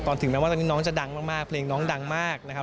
ถึงแม้ว่าตอนนี้น้องจะดังมากเพลงน้องดังมากนะครับ